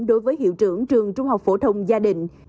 đối với hiệu trưởng trường trung học phổ thông gia đình